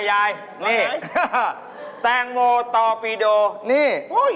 ยายทางโตเปดู